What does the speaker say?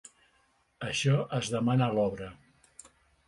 Això es demana l’obra.